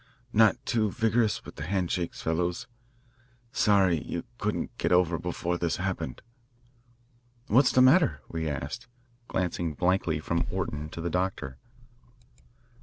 Not too vigorous with the hand shakes, fellows. Sorry you couldn't get over before this happened." "What's the matter?" we asked, glancing blankly from Orton to the doctor.